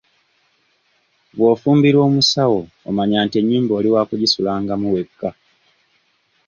Bw'ofumbirwa omusawo omanya nti ennyumba oli wakugisulangamu wekka.